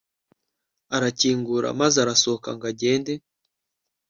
arakingura maze arasohoka ngo agende